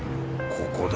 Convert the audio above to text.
ここだ。